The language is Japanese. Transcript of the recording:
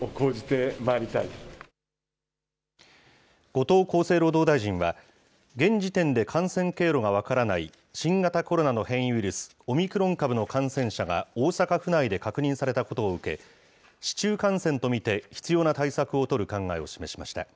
後藤厚生労働大臣は、現時点で感染経路が分からない新型コロナの変異ウイルス、オミクロン株の感染者が大阪府内で確認されたことを受け、市中感染と見て、必要な対策を取る考えを示しました。